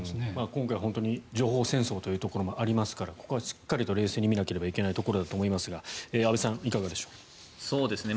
今回は情報戦というところもありますからここはしっかりと冷静に見ないといけないところですが安部さん、いかがですか？